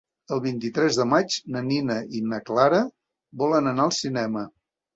El vint-i-tres de maig na Nina i na Clara volen anar al cinema.